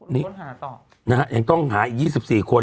นี่นี่ต้องหาต่อนะฮะยังต้องหาอีกยี่สิบสี่คน